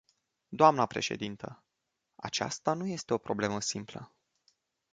Dnă președintă, aceasta nu este o problemă simplă.